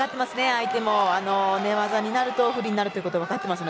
相手も寝技になると不利になるということ分かっています。